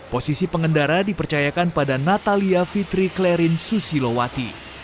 posisi pengendara dipercayakan pada natalia fitri klerin susilowati